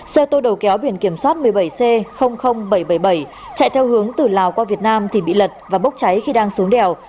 xe tô đầu kéo biển kiểm soát một mươi bảy c bảy trăm bảy mươi bảy chạy theo hướng từ lào qua việt nam thì bị lật và bốc cháy khi đang xuống đèo